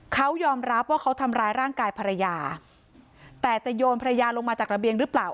เขายอมรับว่าเขาทำร้ายร่างกายภรรยาแต่จะโยนภรรยาลงมาจากระเบียงหรือเปล่า